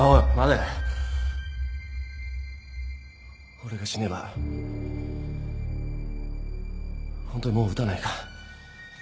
俺が死ねばホントにもう撃たないな？